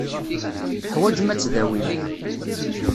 Teḥwajem ad tdawim.